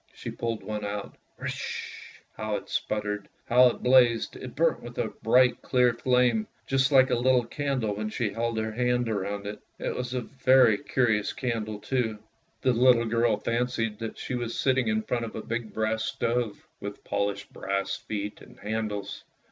She pulled one out, " risch," how it spluttered, how it blazed! It burnt with a bright clear flame, just like a little candle when she held her hand round it. It was a very curious candle too. The little girl fancied that she was sitting in front of a big stove with polished brass feet and handles.